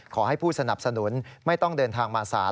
ขอให้ผู้สนับสนุนไม่ต้องเดินทางมาศาล